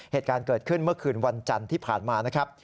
เหตุการณ์เกิดขึ้นเมื่อคืนวันจันทร์ที่ผ่านมานะครับ